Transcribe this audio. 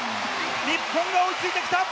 日本が追いついてきた！